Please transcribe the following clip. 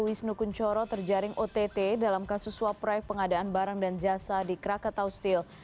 wisnu kunchoro terjaring ott dalam kasus suap proyek pengadaan barang dan jasa di krakatau steel